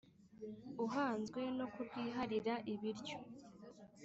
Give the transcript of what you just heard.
uhanzwe no kurwiharira ibiryo